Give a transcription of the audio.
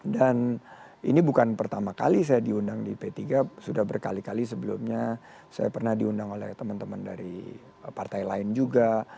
dan ini bukan pertama kali saya diundang di p tiga sudah berkali kali sebelumnya saya pernah diundang oleh teman teman dari partai lain juga